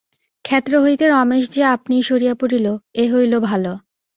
ক্ষেত্র হইতে রমেশ যে আপনিই সরিয়া পড়িল, এ হইল ভালো।